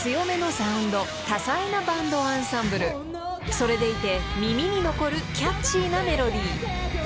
［それでいて耳に残るキャッチーなメロディー］